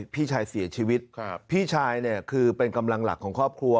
พี่ชายเสียชีวิตพี่ชายเนี่ยคือเป็นกำลังหลักของครอบครัว